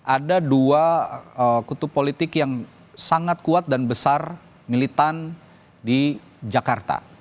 ada dua kutub politik yang sangat kuat dan besar militan di jakarta